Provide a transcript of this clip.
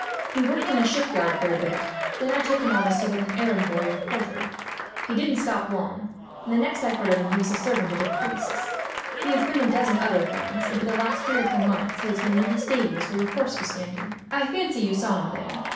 He worked in a shipyard for a bit, then I took him as a sort of errand boy and porter. He didn't stop long, and the next I heard of him he was servant at a priest's. He has been a dozen other things, and for the last three or four months he has been in the stables where your horse was standing. I fancy you saw him there.